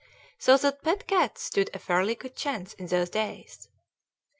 So that pet cats stood a fairly good chance in those days.